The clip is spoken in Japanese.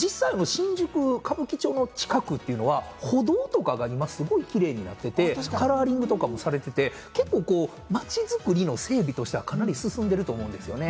実際、新宿・歌舞伎町の近くっていうのは歩道とかが、今すごいキレイになっててカラーリングとかもされてて、結構、街づくりの整備としては、かなり進んでると思うんですよね。